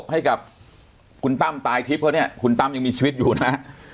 ให้กับคุณตั้มตายทิพย์เขาเนี่ยคุณตั้มยังมีชีวิตอยู่นะฮะ